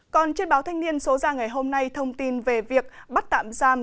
còn trên báo thanh niên số ra ngày hôm nay thông tin về việc bắt tạm giam